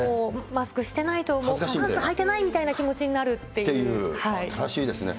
マスクしてないと、パンツはいてないみたいな気持ちになるってい新しいですね。